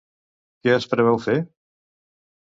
Què es preveu fer?